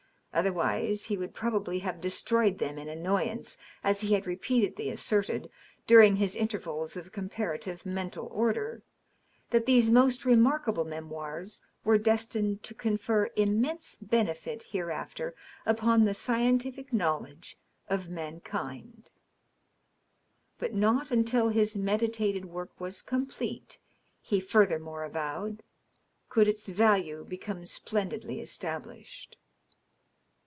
Otherwise he would probably have destroyed mem in annoyance, as he had repeatedly asserted, during his intervals of comparative mental order, that these most remarkable memoirs were destined to confer im mense benefit hereafter upon the scientific knowledge of mankind. But not until his meditated work was complete, he furthermore avowed, could its value become splendidly established.